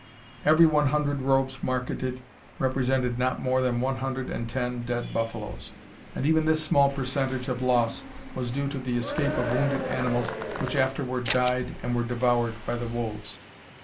Every one hundred robes marketed represented not more than one hundred and ten dead buffaloes, and even this small percentage of loss was due to the escape of wounded animals which afterward died and were devoured by the wolves.